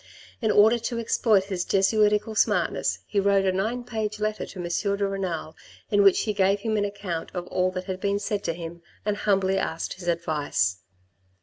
In order to exploit his Jesuitical smartness, he wrote a nine page letter to M. de Renal in which he gave him an account of all that had been said to him and humbly asked his advice.